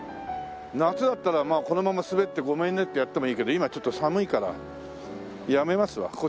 夏だったらまあこのまま滑ってごめんねってやってもいいけど今ちょっと寒いからやめますわ。